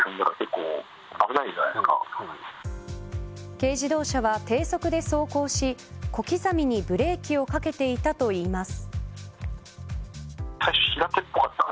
軽自動車は低速で走行し小刻みにブレーキをかけていたといいます。